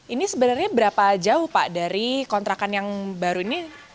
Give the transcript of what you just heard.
ini sebenarnya berapa jauh pak dari kontrakan yang baru ini